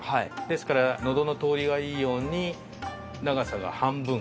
ですから喉の通りがいいように長さが半分。